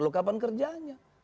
loh kapan kerjanya